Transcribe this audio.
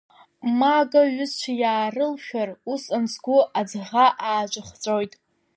Ма акы аҩызцәа иаарылшәар, усҟан сгәы аҵӷа ааҿыхҵәоит.